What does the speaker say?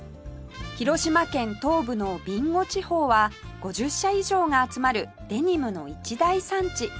広島県東部の備後地方は５０社以上が集まるデニムの一大産地